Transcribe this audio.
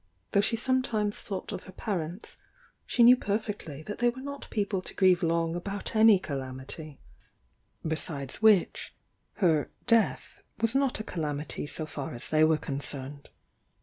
Though she sometimes thought of her parents, she knew per fectly that they were not people to grieve long about any calamity, — besides which, her "death" was not a calamity so far as they were concerned.